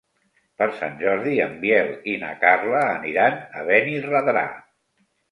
Per Sant Jordi en Biel i na Carla aniran a Benirredrà.